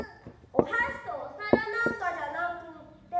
おはしとおさらなんかじゃなくって。